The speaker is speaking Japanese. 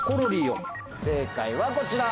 正解はこちら。